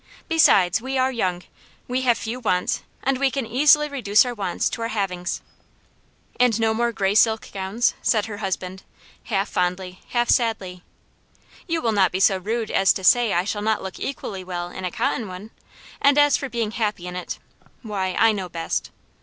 "Besides, we are young, we have few wants, and we can easily reduce our wants to our havings." "And no more grey silk gowns?" said her husband, half fondly, half sadly. "You will not be so rude as to say I shall not look equally well in a cotton one? And as for being as happy in it why, I know best."